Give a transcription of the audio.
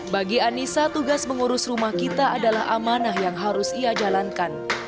bagi anissa tugas mengurus rumah kita adalah amanah yang harus ia jalankan